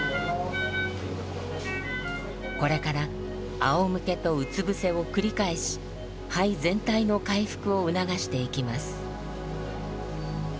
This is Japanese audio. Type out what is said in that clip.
これからあおむけとうつ伏せを繰り返し肺全体の回復を促していきます。